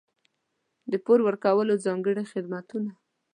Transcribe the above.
د پور ورکولو ځانګړي خدمتونه.